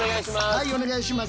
はいお願いします。